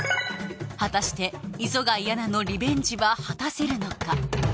果たして磯貝アナのリベンジは果たせるのか？